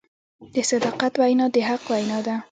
د صداقت وینا د حق وینا ده.